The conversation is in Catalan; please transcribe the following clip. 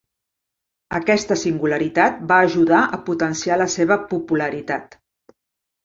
Aquesta singularitat va ajudar a potenciar la seva popularitat.